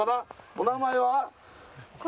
お名前は？